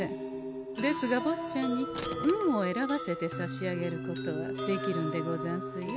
ですがぼっちゃんに運を選ばせてさしあげることはできるんでござんすよ。